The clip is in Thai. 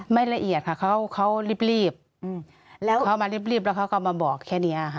ละเอียดค่ะเขารีบแล้วเขามารีบแล้วเขาก็มาบอกแค่นี้ค่ะ